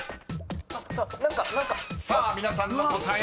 ［さあ皆さんの答え